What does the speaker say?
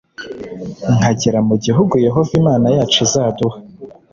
nkagera mu gihugu Yehova Imana yacu izaduha.’